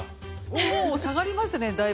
おお下がりましたねだいぶ。